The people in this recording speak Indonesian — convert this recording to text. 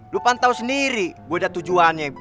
lu pantau sendiri gue ada tujuannya